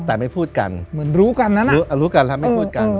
แต่ไม่พูดกันเหมือนรู้กันแล้วนะรู้รู้กันแล้วไม่พูดกันเออเออเออ